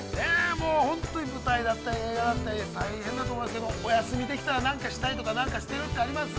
◆もう本当に舞台だったり映画だったり大変だと思いますけれども、お休みできたら何かしたいとか何かしてるとかあります？